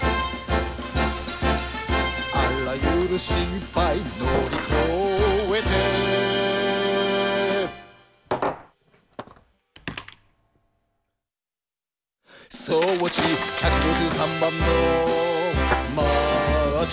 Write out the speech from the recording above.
「あらゆるしっぱいのりこえてー」「装置１５３番のマーチ」